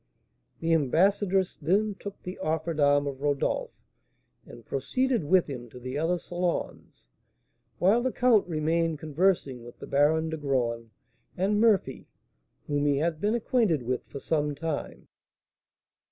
The ambassadress then took the offered arm of Rodolph, and proceeded with him to the other salons, while the count remained conversing with the Baron de Graün and Murphy, whom he had been acquainted with for some time.